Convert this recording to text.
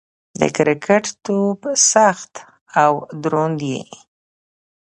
د کرکټ توپ سخت او دروند يي.